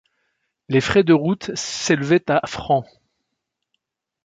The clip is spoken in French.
Les frais de route s'élevaient à francs.